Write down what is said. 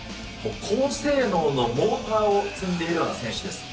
高性能のモーターを積んでいるような選手です。